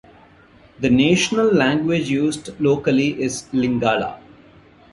The national language used locally is Lingala.